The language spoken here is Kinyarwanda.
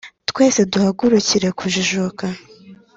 Twese duhagurukire kujijuka